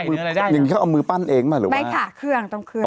เนื้ออะไรได้ยังแค่เอามือปั้นเองมาหรือว่าไม่ค่ะเครื่องต้องเครื่อง